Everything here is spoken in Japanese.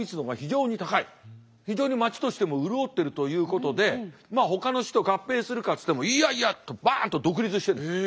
非常に町としても潤ってるということでほかの市と合併するかっつってもいやいやとバンと独立してるんです。